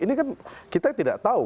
ini kan kita tidak tahu